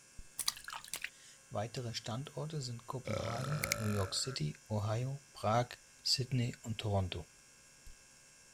Weitere Standorte sind Kopenhagen, New York City, Ohio, Prag, Sydney und Toronto.